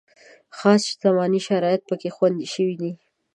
خاص زماني شرایط پکې خوندي شوي دي.